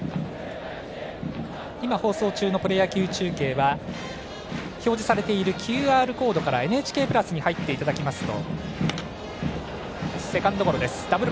今、放送中のプロ野球中継は表示されているＱＲコードから「ＮＨＫプラス」に入っていただきますと。